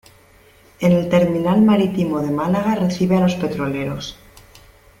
En el terminal marítimo de Málaga recibe a los petroleros.